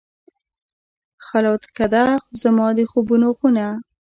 خلوتکده، زما د خوبونو خونه